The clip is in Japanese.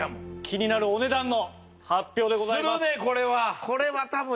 気になるお値段の発表でございます。